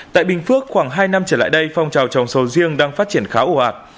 tại bình phước khoảng hai năm trở lại đây phong trào trồng sầu riêng đang phát triển khá ồ ạt